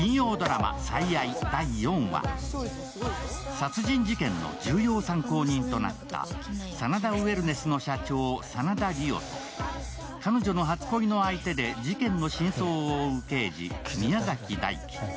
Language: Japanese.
殺人事件の重要参考人となった真田ウエルネスの社長・真田梨央と彼女の初恋の相手で事件の真相を追う刑事、宮崎大輝。